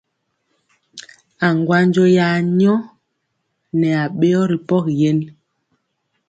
Aŋgwanjɔ ya nyɔ nɛ aɓeyɔ ri pɔgi yen.